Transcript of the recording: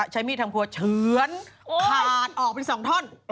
ใช้มีดทำครัวเฉือนขาดออกเป็น๒ท่อน